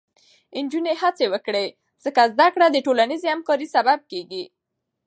نجونې هڅه وکړي، ځکه زده کړه د ټولنیزې همکارۍ سبب کېږي.